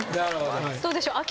どうでしょう明